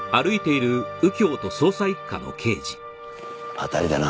当たりだな。